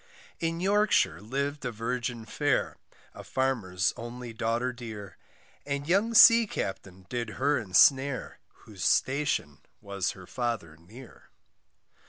In Yorkshire, liv'd a virgin fair, A farmer's only daughter dear, And young sea captain did her ensnare, Whose station was her father near.